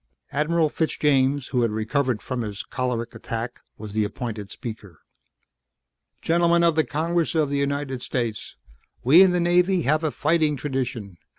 Admiral Fitzjames, who had recovered from his choleric attack, was the appointed speaker. "Gentlemen of the Congress of the United States. We in the Navy have a fighting tradition.